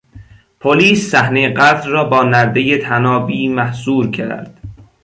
پلیس صحنهی قتل را با نردهی طنابی محصور کرد.